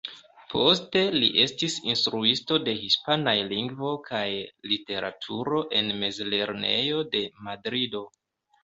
Poste li estis instruisto de Hispanaj Lingvo kaj Literaturo en mezlernejo de Madrido.